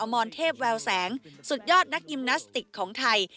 มรเทพแววแสงสุดยอดนักยิมนาสติกของไทย